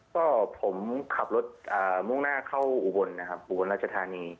ก็ผมขับรถมุ่งหน้าเข้าอุบลนะครับอุบลราชธานี